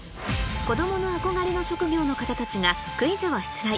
子供の憧れの職業の方たちがクイズを出題